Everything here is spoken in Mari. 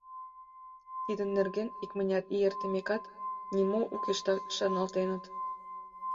Тидын нерген, икмыняр ий эртымекат, нимо укештак шарналтеныт.